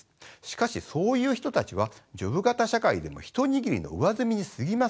しかしそういう人たちはジョブ型社会でも一握りの上澄みにすぎません。